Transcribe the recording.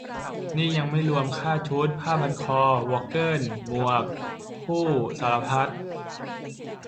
นี่ยังไม่รวมค่าชุด ผ้าพันคอ วอกเกิล หมวก พู่ สารพัด